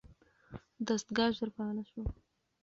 دستګاه ژر فعاله شوه.